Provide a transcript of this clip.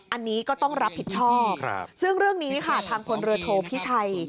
อันนี้ก็ต้องรับผิดชอบซึ่งเรื่องนี้ค่ะทางพลเรือโทพิชัย